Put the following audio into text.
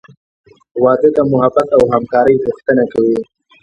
• واده د محبت او همکارۍ غوښتنه کوي.